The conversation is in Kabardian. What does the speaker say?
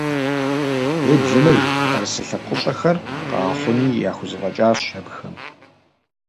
Уеблэмэ, жыг ӏэрысэ лъэпкъыщӏэхэр къагъэхъуни яхузэфӏэкӏащ абыхэм.